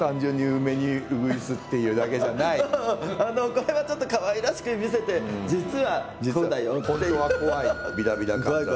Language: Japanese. これはちょっとかわいらしく見せて実はこうだよっていう。